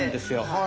はい。